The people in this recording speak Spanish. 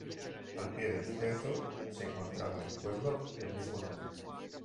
Al pie del cerro se encontraba el pueblo del mismo nombre.